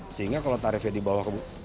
sehingga kalau tarifnya dibawah ke